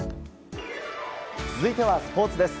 続いては、スポーツです。